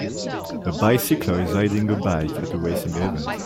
A bicycler is riding a bike at a racing event.